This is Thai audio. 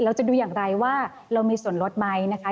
เราจะดูอย่างไรว่าเรามีส่วนลดไหมนะคะ